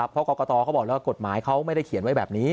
เพราะกรกตเขาบอกแล้วกฎหมายเขาไม่ได้เขียนไว้แบบนี้